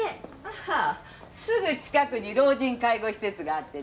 ああすぐ近くに老人介護施設があってね